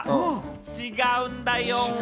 違うんだよぉ。